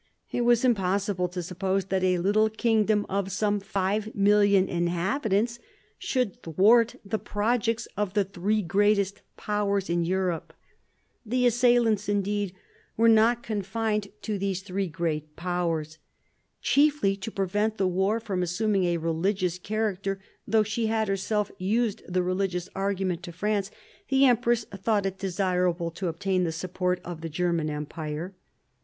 It was impossible to suppose that a little kingdom of some 5,000,000 inhabitants should thwart the projects of the three greatest Powers in Europe. The assailants, indeed, were not confined to these 134 MARIA THERESA chap, vi three great Powers. Chiefly to prevent the war from assuming a religious character, though she had herself used the religious argument to France, the empress thought it desirable to obtain the support of the German Empire.